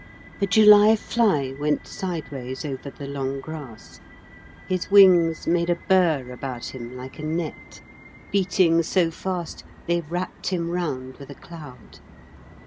A July fly went sideways over the long grass. His wings made a burr about him like a net, beating so fast they wrapped him round with a cloud.